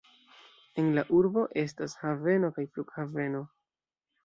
En la urbo estas haveno kaj flughaveno.